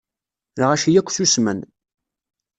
Lɣaci akk susmen.